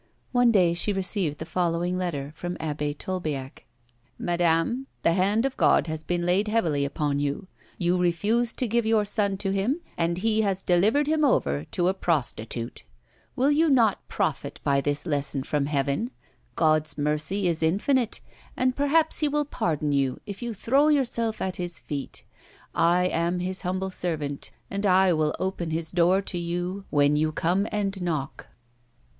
One day she received the following letter from the Abb6 Tolbiac :" Madame — The hand of God has been laid heavily upon you. You refused to give your son to Him, and He has delivered him over to a prostitute ; will you not profit by this lesson from Heaven 1 God's mercy is infinite, and per haps He will pardon you if you throw yourself at His feet. I am His humble servant, and I will open His door to you when you come and knock."